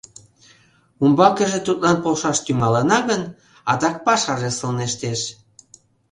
Умбакыже тудлан полшаш тӱҥалына гын, адак пашаже сылнештеш.